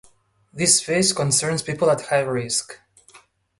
This phase concerns people at high risk.